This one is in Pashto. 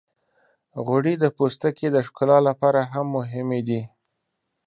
غوړې د پوستکي د ښکلا لپاره هم مهمې دي.